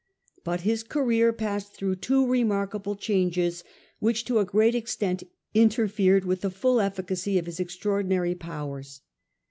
But his career passed through two remarkable changes which to a great extent interfered with the full efficacy of his extraordinary powers.